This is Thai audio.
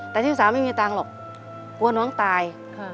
แต่พี่สาวไม่มีตังค์หรอกกลัวน้องตาย